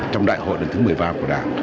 trong đại hội lần thứ một mươi ba của đảng